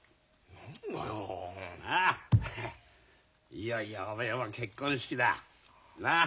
いよいよおめえも結婚式だ。なあ。